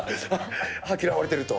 あれ、嫌われてると。